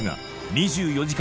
２４時間